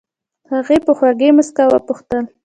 هغې په خوږې موسکا وپوښتل.